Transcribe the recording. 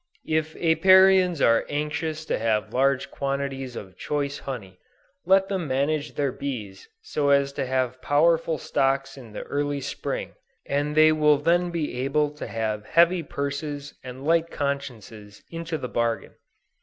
If Apiarians are anxious to have large quantities of choice honey, let them manage their bees so as to have powerful stocks in the early Spring, and they will then be able to have heavy purses and light consciences into the bargain.